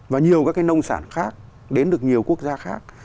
và nhiều các cái nông sản khác đến được nhiều quốc gia khác